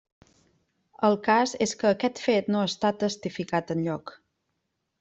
El cas és que aquest fet no està testificat enlloc.